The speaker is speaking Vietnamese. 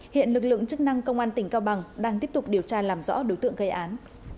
hiện lực lượng chức năng công an tỉnh cao bằng đang tiếp tục điều tra làm rõ đối tượng gây án